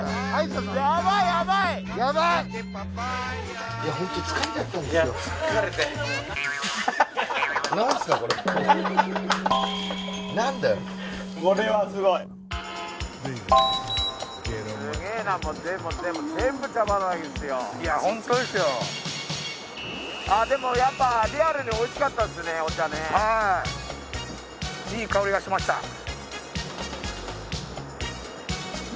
はいいい香りがしました。